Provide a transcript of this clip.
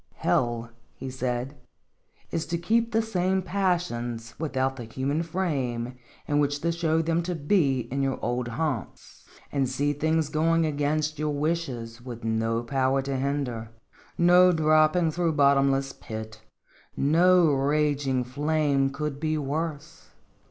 58 Singed ittotfys. " Hell," he said, " is to keep the same pas sions without the human frame in which to show them to be in your old haunts and see things going against your wishes with no power to hinder ; no dropping through bottom less pit, no raging flame could be worse.